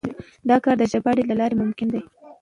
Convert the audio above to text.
دا کار د ژباړې له لارې ممکن دی.